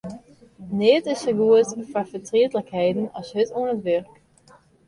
Neat is sa goed foar fertrietlikheden as hurd oan it wurk.